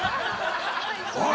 おい！